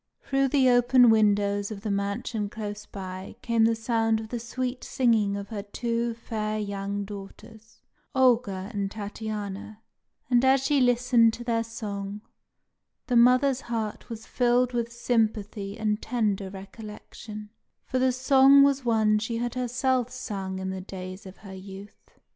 Through the open windows of the mansion close by came the sound of the sweet singing of her two fair young daughters, Olga and Tatiana; and as she listened to their song, the mother's heart was filled with sympathy and tender recollection, for the song was one she had herself sung in the days of her youth.